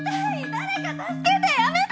誰か助けてやめて！